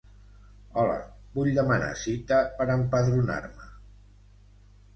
Hola, vull demanar cita per empadronar-me.